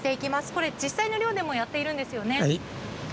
これ、実際の漁でもやっているんですよね？